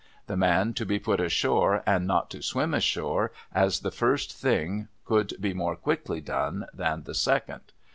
The man to be put ashore, and not to swim ashore, as the first thing could be more quickly done than the second.